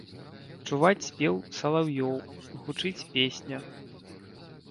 Чуваць спеў салаўёў, гучыць песня.